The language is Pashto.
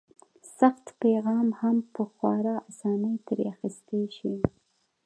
سخت پیغام هم په خورا اسانۍ ترې اخیستی شي.